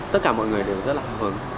tất cả mọi người đều rất là hào hứng